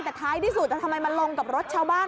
แต่ท้ายที่สุดทำไมมาลงกับรถชาวบ้าน